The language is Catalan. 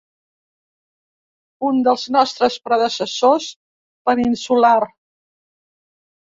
Un dels nostres predecessors peninsular.